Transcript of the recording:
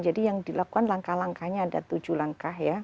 jadi yang dilakukan langkah langkahnya ada tujuh langkah ya